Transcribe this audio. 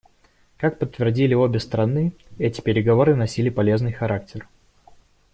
Как подтвердили обе стороны, эти переговоры носили полезный характер.